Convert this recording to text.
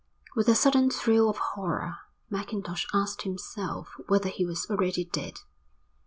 With a sudden thrill of horror Mackintosh asked himself whether he was already dead.